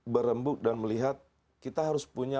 berembuk dan melihat kita harus punya